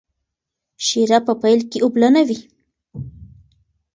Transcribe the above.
شیره په پیل کې اوبلنه وي.